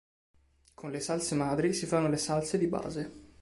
Con le salse madri si fanno le salse di base.